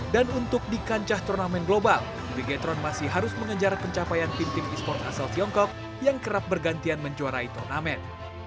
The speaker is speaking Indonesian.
dan untuk di kancah turnamen global beachtron masih harus mengejar pencapaian tim tim esports asal tiongkok yang kerap bergantian menjuarai turnamen